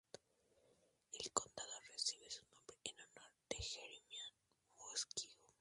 El condado recibe su nombre en honor a Jeremiah Muskingum.